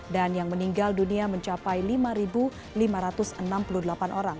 dan yang meninggal dunia mencapai lima lima ratus enam puluh delapan orang